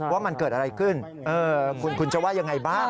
ว่ามันเกิดอะไรขึ้นคุณจะว่ายังไงบ้าง